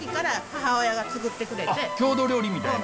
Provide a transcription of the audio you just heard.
郷土料理みたいな。